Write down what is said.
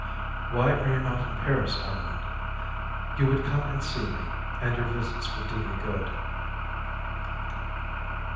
Why are you not in Paris, Armand? You would come and see me, and your visits would do me good.